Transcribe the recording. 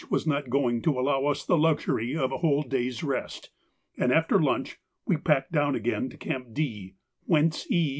was not going to allow us the luxury of a whole day's rest, and after lunch we packed down again to Camp D, whence E.